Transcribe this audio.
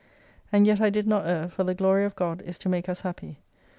And yet I did not err, for the Glory of God is to make us happy.